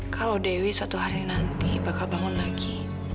kalau dewi satu hari nanti bakal bangun lagi